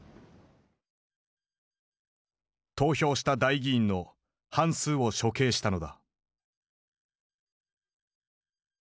投票した代議員の半数を処刑したのだ。